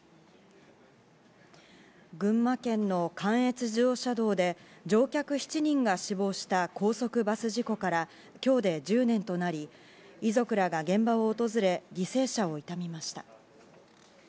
群馬県の関越自動車道で乗客７人が死亡した高速バス事故から今日で１０年となり、遺族らが現場を訪れ、犠牲者を悼みました。